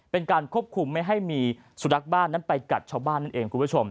เป็นการควบคุมไม่ให้มีสุนัขบ้านไปกัดชาวบ้านนั้นเอง